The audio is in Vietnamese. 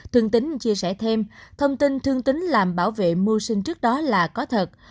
thương tín chia sẻ thêm thông tin thương tín làm bảo vệ mưu sinh trước đó là có thật